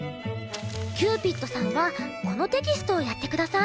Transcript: キューピッドさんはこのテキストをやってください。